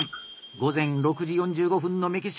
午前６時４５分のメキシコ。